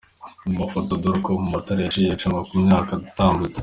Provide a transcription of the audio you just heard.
Mu mafoto, dore uko ayo matara yagiye acanwa mu myaka yatambutse:.